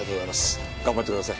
頑張ってください。